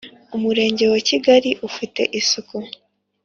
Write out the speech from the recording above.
umurenge wa kigali ufite isuku